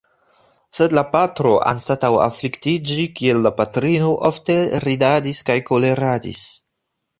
Sed la patro, anstataŭ afliktiĝi kiel la patrino, ofte ridadis kaj koleradis.